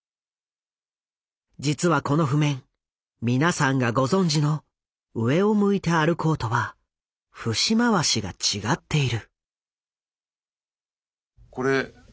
実はこの譜面みなさんがご存じの「上を向いて歩こう」とは節回しが違っている。